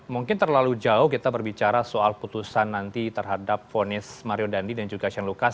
mungkin terlalu jauh kita berbicara soal putusan nanti terhadap fonis mario dandi dan juga shane lucas